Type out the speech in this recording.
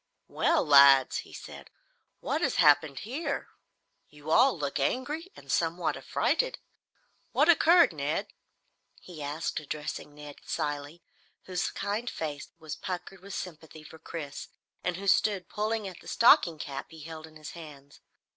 "Well, lads," he said, "what has happened here? You all look angry and somewhat a frighted. What occurred, Ned?" he asked, addressing Ned Cilley, whose kind face was puckered with sympathy for Chris and who stood pulling at the stocking cap he held in his hands.